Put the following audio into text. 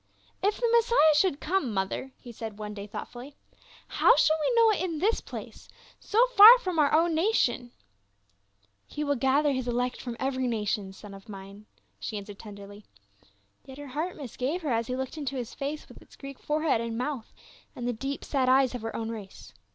" If the Messiah should come, mother," he said one 304 PA UL. day thoughtfully, " how shall we know it in this place, so far from our own nation ?"" He will gather his elect from every nation, son of mine," she answered tenderly. Yet her heart misgave her as she looked into his face with its Greek forehead and mouth and the deep sad eyes of her own race.